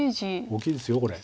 大きいですこれ。